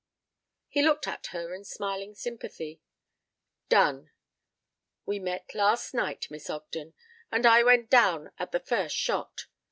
He looked at her in smiling sympathy. "Done. We met last night, Miss Ogden, and I went down at the first shot.